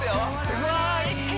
うわ